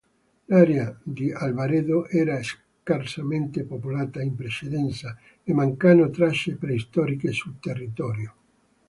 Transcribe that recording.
L'area di Albaredo era scarsamente popolata in precedenza e mancano tracce preistoriche sul territorio.